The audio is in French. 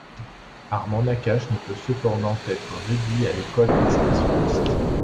Armand Nakache ne peut cependant être réduit à l'école expressionniste.